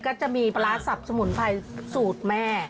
ก็จะมีปลาร้าสับสมุนไพรสูตรแม่